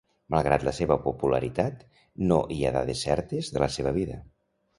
Malgrat la seva popularitat, no hi ha dades certes de la seva vida.